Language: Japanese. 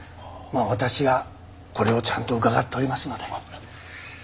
まあ私がこれをちゃんと伺っておりますので。